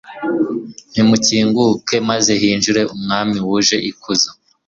nimukinguke, maze hinjire umwami wuje ikuzo